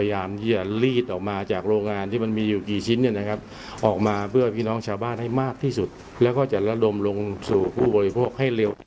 ถ้าวันนี้ผมจะพยายามที่จะไม่เอาเรื่องนี้มาเป็นประเด็น